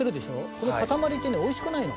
この塊ってねおいしくないの。